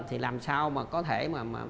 thì làm sao mà có thể mà